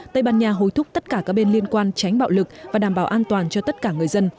tây ban nha hối thúc tất cả các bên liên quan tránh bạo lực và đảm bảo an toàn cho tất cả người dân